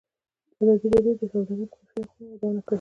ازادي راډیو د سوداګري د منفي اړخونو یادونه کړې.